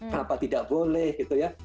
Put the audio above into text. kenapa tidak boleh gitu ya